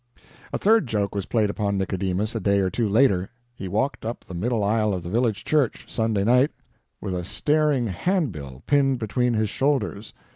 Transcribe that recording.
A third joke was played upon Nicodemus a day or two later he walked up the middle aisle of the village church, Sunday night, with a staring handbill pinned between his shoulders.